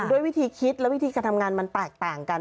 ด้วยวิธีคิดและวิธีการทำงานมันแตกต่างกัน